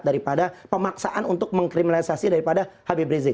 daripada pemaksaan untuk mengkriminalisasi daripada habib rizik